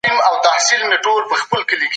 مېرمنې د ټولنې نیمه برخه ده.